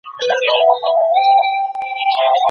موږ د وطن په مينه کي يو ځای يو.